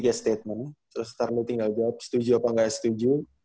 kasih tiga statement terus ternyata tinggal jawab setuju apa gak setuju